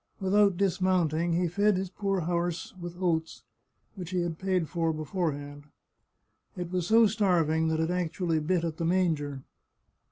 Without dismounting he fed his poor horse with oats, which he paid for beforehand. It was so starving that it actually bit at the manger.